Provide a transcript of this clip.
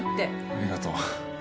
ありがとう。